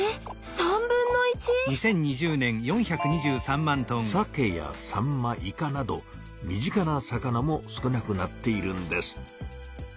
３分の１⁉サケやサンマイカなど身近な魚も少なくなっているんです。